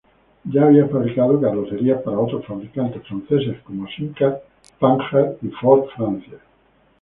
Ya había fabricado carrocerías para otros fabricantes franceses como Simca, Panhard y Ford Francia.